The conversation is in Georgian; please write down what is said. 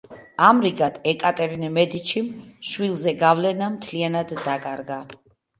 ამრიგად ეკატერინე მედიჩიმ შვილზე გავლენა მთლიანად დაკარგა.